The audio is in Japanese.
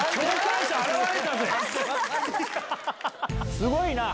すごいな！